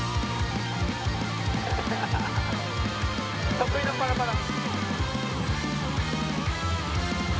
得意のパラパラ。